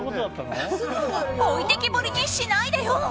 置いてきぼりにしないでよ